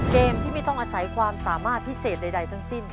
เกมที่ไม่ต้องอาศัยความสามารถพิเศษใดทั้งสิ้น